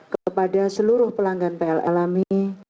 kepada seluruh pelanggan pln lami